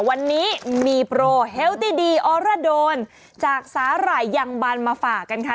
วันนี้มีโปรเฮลตี้ดีออราโดนจากสาหร่ายยังบันมาฝากกันค่ะ